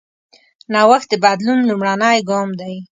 نوښت د بدلون لومړنی ګام دی.